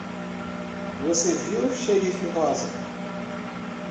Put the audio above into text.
Você viu xerife rosa?